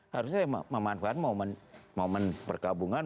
harusnya memanfaat momen perkabungan